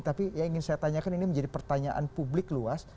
tapi yang ingin saya tanyakan ini menjadi pertanyaan publik luas